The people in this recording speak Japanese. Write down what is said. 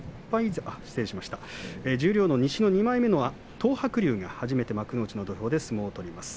十両の西の２枚目、東白龍が初めて幕内で相撲を取ります。